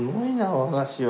和菓子は。